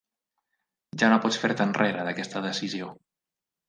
Ja no pots fer-te enrere d'aquesta decisió.